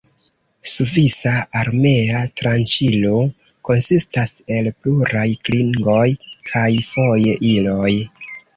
Svisa Armea Tranĉilo konsistas el pluraj klingoj kaj foje iloj.